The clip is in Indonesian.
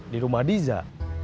di rumah diza